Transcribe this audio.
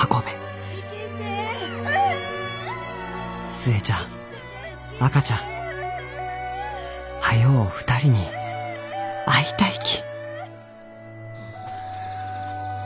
「寿恵ちゃん赤ちゃん早う２人に会いたいき」。